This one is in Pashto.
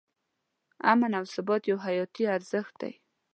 امن او ثبات یو حیاتي ارزښت دی.